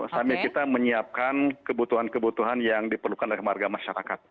sambil kita menyiapkan kebutuhan kebutuhan yang diperlukan oleh warga masyarakat